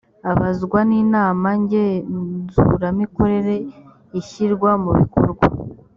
abazwa n inama ngenzuramikorere ishyirwa mubikorwa